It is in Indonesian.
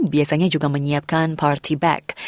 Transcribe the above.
biasanya juga menyiapkan party back